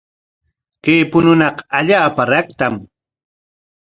Kay puñunaqa allaapa raktam.